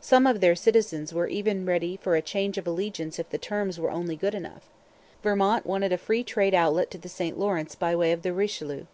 Some of their citizens were even ready for a change of allegiance if the terms were only good enough. Vermont wanted a 'free trade' outlet to the St Lawrence by way of the Richelieu.